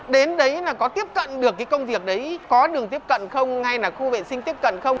đến đấy là có tiếp cận được cái công việc đấy có đường tiếp cận không hay là khu vệ sinh tiếp cận không